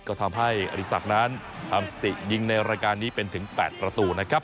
ก็ทำให้อริสักนั้นทำสติยิงในรายการนี้เป็นถึง๘ประตูนะครับ